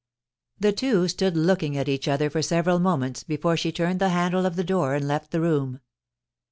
The two stood looking at each other for several moments before she turned the handle of the door and left the room.